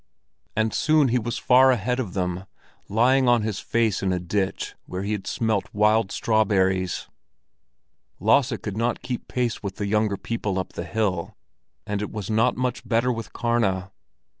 And soon he was far ahead of them, lying on his face in a ditch where he had smelt wild strawberries. Lasse could not keep pace with the younger people up the hill, and it was not much better with Karna.